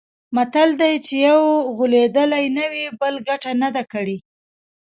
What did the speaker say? متل دی: چې یو غولېدلی نه وي، بل ګټه نه ده کړې.